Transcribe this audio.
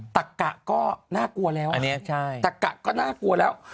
ตะกะก็น่ากลัวแล้วตะกะก็น่ากลัวแล้ว